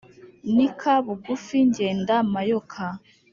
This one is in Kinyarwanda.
Nika bugufi ngenda mayoka.